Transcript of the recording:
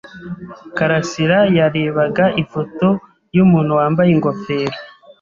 Karasirayarebaga ifoto yumuntu wambaye ingofero.